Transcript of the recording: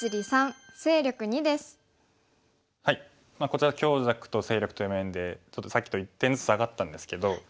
こちら強弱と勢力という面でちょっとさっきと１点ずつ下がったんですけど。